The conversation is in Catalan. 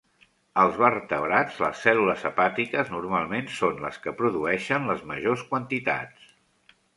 Als vertebrats, les cèl·lules hepàtiques normalment són les que produeixen les majors quantitats.